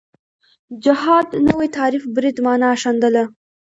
جهاد نوی تعریف برید معنا ښندله